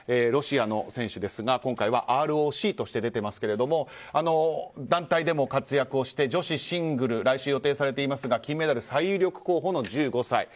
ロシアの選手ですが今回はＲＯＣとして出ていますけども団体でも活躍をして女子シングル来週予定されていますが金メダル最有力候補の１５歳。